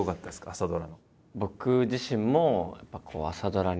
朝ドラの。